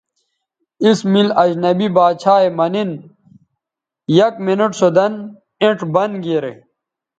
اس مِل اجنبی باڇھا یے مہ نِن یک منٹ سو دَن اینڇ بند گیرے